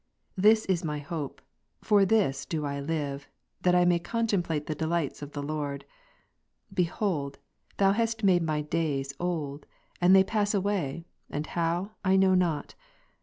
This is p^ 27 4 "^y hope, for this do I live, that / may contemplate the Ps 39* 5. delights of the Lord. Behold, Thou hast made my days old, and they pass away, and how, I know not.